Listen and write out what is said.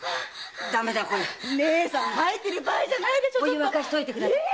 お湯沸かしといてください。